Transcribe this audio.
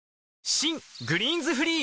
新「グリーンズフリー」